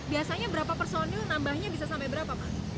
biasanya berapa personil nambahnya bisa sampai berapa pak